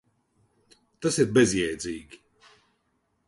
Tas ir bezjēdzīgi.